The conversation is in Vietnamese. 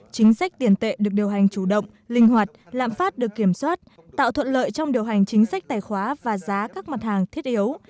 chính sách tiền tệ được điều hành chủ động linh hoạt lạm phát được kiểm soát tạo thuận lợi trong điều hành chính sách tài khoá và giá các mặt hàng thiết yếu